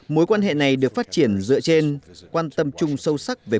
mối quan hệ này được phát triển dựa trên quan tâm chung sâu sắc về quốc gia